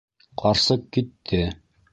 Ҡарсыҡ китте.